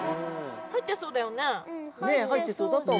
はいってそうだよね。